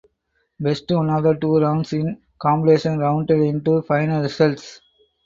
Best one of two rounds in competition counted into final results.